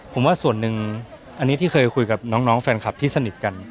ผมว่าส่วนหนึ่งอันนี้ที่เคยคุยกับน้องแฟนคลับที่สนิทกัน